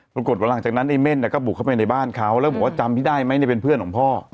ปรากฏว่าหลังจากนั้นไอ้เม่นก็บุกเข้าไปในบ้านเขาแล้วบอกว่าจำพี่ได้ไหมเนี่ยเป็นเพื่อนของพ่อ